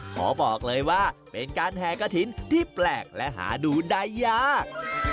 ขอบอกเลยว่าเป็นการแห่กระถิ่นที่แปลกและหาดูได้ยาก